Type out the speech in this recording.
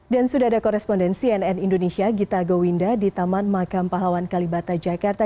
dan sudah ada korespondensi nn indonesia gita gowinda di taman makam palawan kalibata jakarta